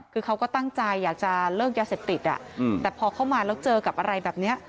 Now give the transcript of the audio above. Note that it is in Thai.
คือเขาก็ตั้งใจอยากจะเลิกยาเสพติดแต่พอเข้ามาแล้วเจอกับอะไรแบบนี้